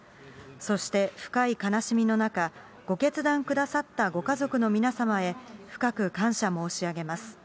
そして、深い悲しみの中、ご決断くださったご家族の皆様へ、深く感謝申し上げます。